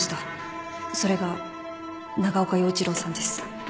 それが長岡洋一郎さんです。